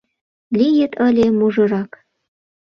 Лийыт ыле мужырак!